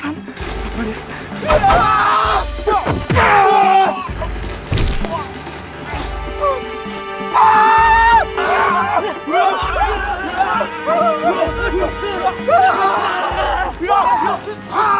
aduh aku lelah